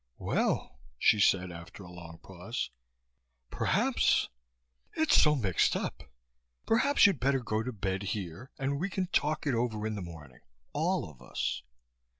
"Well " she said, after a long pause. "Perhaps It's so mixed up Perhaps you'd better go to bed here and we can talk it over in the morning. All of us."